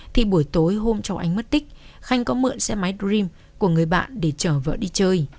thì buổi tối hôm cháu ánh mất tích khanh có mượn xe máy dream của người bạn để chở vợ đi chơi